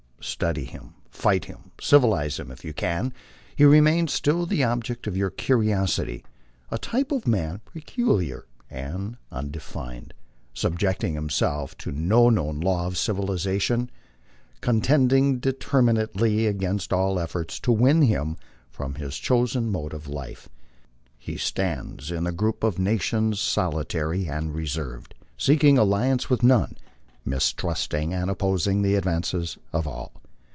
Study him, fight him, civil ize him if you can, he remains still the object of your curiosity, a type of man peculiar and undefined, subjecting himself to no known law of civilization, con tending determinedly against all efforts to win him from his chosen mode of life. He stands in the group of nations solitary and reserved, seeking alliance with none, mistrusting and opposing the advances of all.